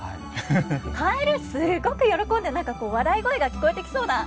蛙すごく喜んで何か笑い声が聞こえてきそうな。